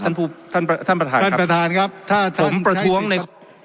ท่านผู้ท่านท่านประทานครับท่านประทานครับถ้าท่านผมประท้วงใน